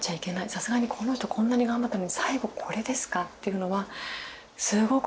さすがにこの人こんなに頑張ったのに最後これですか！っていうのはすごく。